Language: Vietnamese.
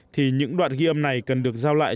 thì những đoạn ghi âm này cần được giao lại